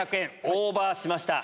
オーバーしました。